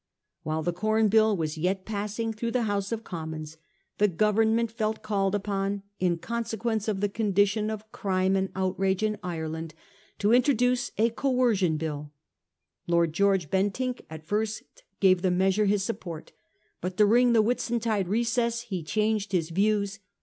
While the Corn Bill was yet passing through the House of Commons the Government felt .called upon, in consequence of the condition of crime 410 A HISTORY OF OUR OWN TIMES. CH. XYI* and outrage in Ireland, to introduce a Coercion Bill. Lord George Bentinek at first gave the measure his support; hut during the Whitsuntide recess he changed his views.